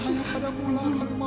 hanya engkau lah yang kami sembah